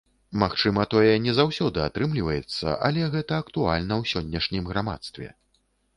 Магчыма, тое не заўсёды атрымліваецца, але гэта актуальна ў сённяшнім грамадстве.